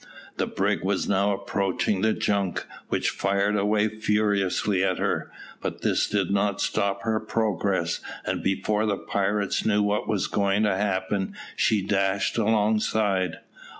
The brig was now approaching the junk, which fired away furiously at her, but this did not stop her progress, and before the pirates knew what was going to happen, she dashed alongside.